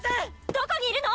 どこにいるの？